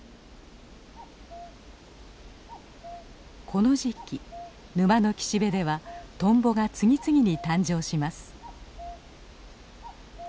この時期沼の岸辺ではトンボが次々に誕生します。